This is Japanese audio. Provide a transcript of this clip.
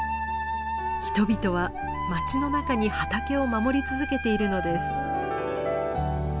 人々は町の中に畑を守り続けているのです。